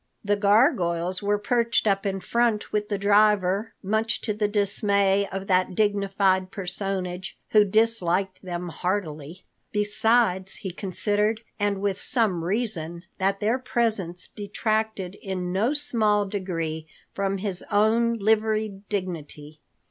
The gargoyles were perched up in front with the driver, much to the dismay of that dignified personage, who disliked them heartily. Besides, he considered, and with some reason, that their presence detracted in no small degree from his own liveried dignity.